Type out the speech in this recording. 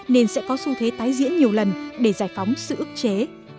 nên sẽ có xu thế tái diễn nhiều lần để giải phóng sự ước chế